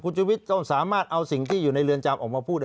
คุณชุวิตต้องสามารถเอาสิ่งที่อยู่ในเรือนจำออกมาพูด